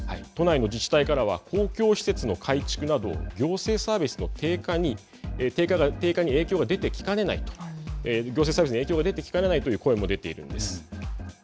都内の自治体からは公共施設の改築など行政サービスの低下に影響が出てきかねないと行政サービスに影響が出てきかねないという声も出ているんです。